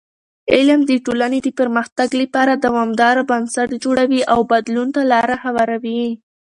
علم د ټولنې د پرمختګ لپاره دوامدار بنسټ جوړوي او بدلون ته لاره هواروي.